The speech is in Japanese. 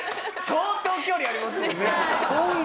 相当距離ありますもんね。